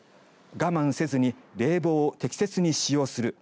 我慢せずに冷房を適切に使用する。